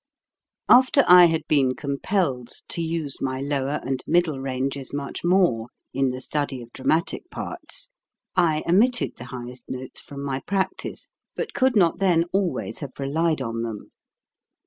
After I had been compelled to use my lower THE HIGHEST HEAD TONES 173 and middle ranges much more, in the study of dramatic parts, I omitted the highest notes from my practice, but could not then always have relied on them.